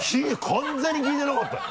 完全に聞いてなかったよ。